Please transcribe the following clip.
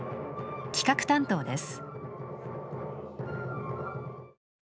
企画担当です。